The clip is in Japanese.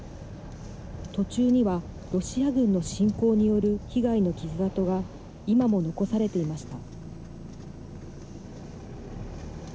途中には、ロシア軍の侵攻による被害の傷痕が今も残されていました。